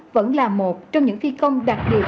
vẫn là một trong những phi công đặc biệt